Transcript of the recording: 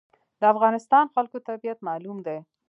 د افغانستان خلکو طبیعت معلوم دی.